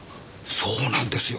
そうなんですよ！